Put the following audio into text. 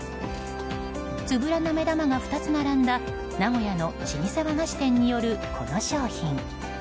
つぶらな目玉が２つ並んだ名古屋の老舗和菓子店によるこの商品。